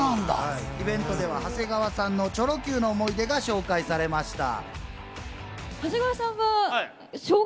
イベントでは長谷川さんのチョロＱの思い出が紹介されました。